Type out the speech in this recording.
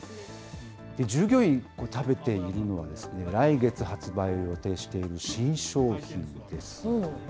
従業員が食べているのは、来月発売を予定している新商品です。